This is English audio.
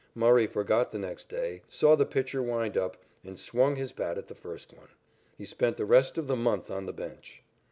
Murray forgot the next day, saw the pitcher wind up, and swung his bat at the first one. He spent the rest of the month on the bench.